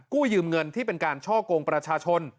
กู้ยืมเงินที่เป็นการช่อกงประชาชน